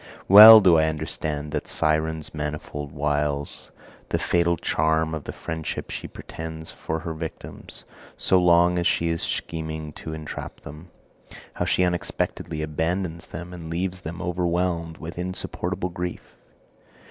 Well do I understand that Siren's manifold wiles, the fatal charm of the friendship she pretends for her victims, so long as she is scheming to entrap them how she unexpectedly abandons them and leaves them overwhelmed with insupportable grief.